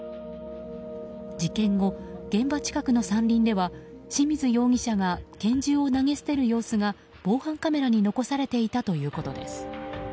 事件後、現場近くの山林では清水容疑者が拳銃を投げ捨てる様子が防犯カメラに残されていたということです。